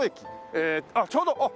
ええあっちょうど！